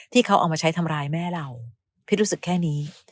ที่เขาเอามาใช้ทำร้ายแม่เราพี่รู้สึกแค่นี้